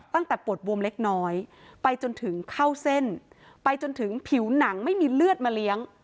ตั้งแต่ปวดบวมเล็กน้อยไปจนถึงเข้าเส้นไปจนถึงผิวหนังไม่มีเลือดมาเลี้ยง